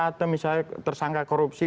atau misalnya tersangka korupsi